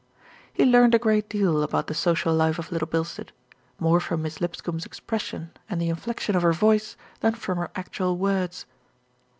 He learned a great deal about the social life of Little Bilstead, more from Miss Lipscombe's expression and the inflection of her voice than from her actual words.